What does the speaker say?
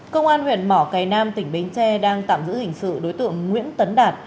công an huyện mỏ cầy nam tỉnh bến tre đang tạm giữ hình sự đối tượng nguyễn tấn đạt